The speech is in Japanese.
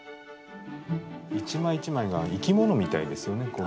一枚一枚が生き物みたいですよね。